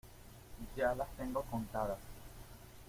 ya las tengo contadas.